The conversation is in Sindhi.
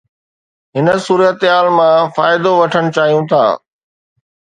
هن صورتحال مان فائدو وٺڻ چاهيو ٿا